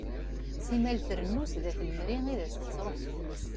Simmal trennu sdat n lemri i as-tettruḥ teflest.